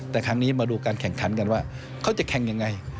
แต่ครั้งนี้มาดูการแข่งขันกันว่าเขาจะแข่งยังไง